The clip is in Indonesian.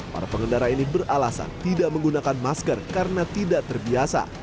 para pengendara ini beralasan tidak menggunakan masker karena tidak terbiasa